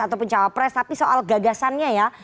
ataupun cawapres tapi soal gagasannya ya